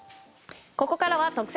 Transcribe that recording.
ここからは特選！